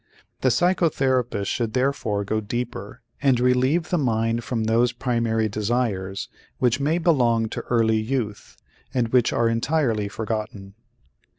The psychotherapist should therefore go deeper and relieve the mind from those primary desires which may belong to early youth and which are entirely forgotten.